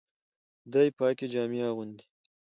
دی پاکي جامې اغوندي.